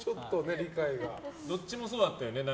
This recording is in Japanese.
どっちもそうだったよね